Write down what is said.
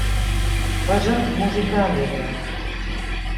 Posa'm música alegre.